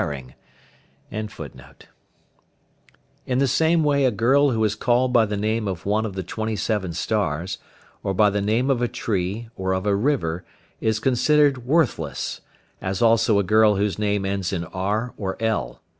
In the same way a girl who is called by the name of one of the twenty seven stars, or by the name of a tree, or of a river, is considered worthless, as also a girl whose name ends in "r" or "l."